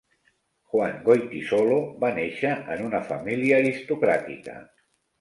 Juan Goytisolo va nàixer en una família aristocràtica.